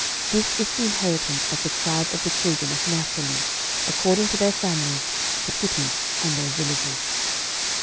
06:019:039 This is the inheritance of the tribe of the children of Naphtali according to their families, the cities and their villages.